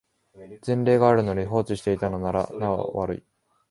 前例があるのに放置していたのならなお悪い